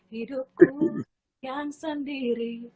hidupku yang sendiri